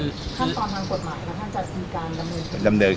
ด้านตอนทางกฎหมายนะคะมีการลำเนิดคดี